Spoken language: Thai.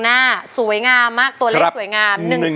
คุณยายแดงคะทำไมต้องซื้อลำโพงและเครื่องเสียง